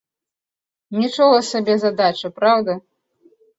Нічога сабе задача, праўда?